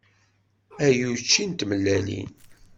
Ay učči n tmellalin.